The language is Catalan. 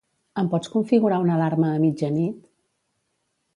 Em pots configurar una alarma a mitjanit?